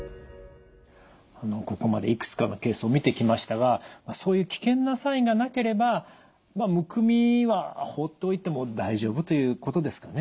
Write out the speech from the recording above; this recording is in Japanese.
ここまでいくつかのケースを見てきましたがそういう危険なサインがなければむくみは放っておいても大丈夫ということですかね。